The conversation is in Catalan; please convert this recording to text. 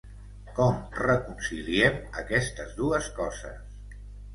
Com reconciliem aquestes dues coses?